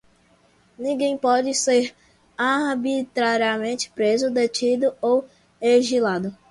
Ninguém pode ser arbitrariamente preso, detido ou exilado.